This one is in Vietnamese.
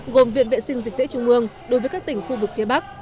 gồm viện vệ sinh dịch tễ trung ương đối với các tỉnh khu vực phía bắc